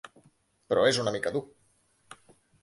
Però és una mica dur.